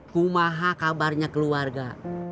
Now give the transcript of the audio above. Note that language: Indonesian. kumaha kabarnya keluarga